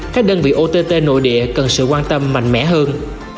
các đơn vị ott nội địa cần sự quan tâm mạnh mẽ hơn